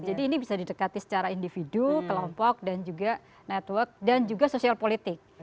jadi ini bisa didekati secara individu kelompok dan juga network dan juga sosial politik